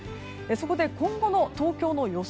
そこで今後の東京の予想